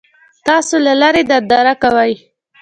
تاسو له لرې ننداره کوئ.